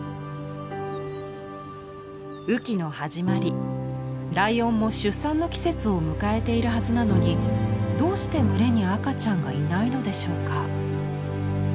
雨季の始まりライオンも出産の季節を迎えているはずなのにどうして群れに赤ちゃんがいないのでしょうか？